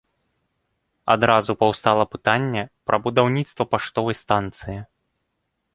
Адразу паўстала пытанне пра будаўніцтва паштовай станцыі.